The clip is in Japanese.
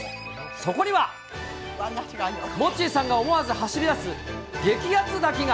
そこには、モッチーさんが思わず走りだす激熱滝が。